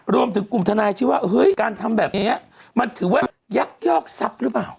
รวมถึงกลุ่มทนายที่ว่าเฮ้ยการทำแบบนี้มันถือว่ายักยอกทรัพย์หรือเปล่า